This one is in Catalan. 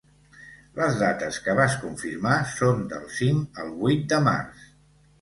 Les dates que vas confirmar són del cinc al vuit de març.